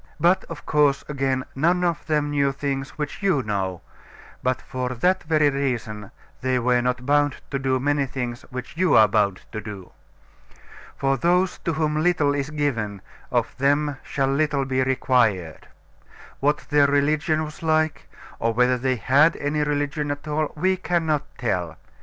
But, of course, again, none of them knew things which you know; but for that very reason they were not bound to do many things which you are bound to do. For those to whom little is given, of them shall little be required. What their religion was like, or whether they had any religion at all, we cannot tell.